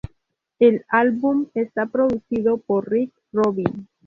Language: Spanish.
El álbum está producido por Rick Rubin.